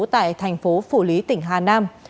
tại thành phố phủ lý tỉnh hà nam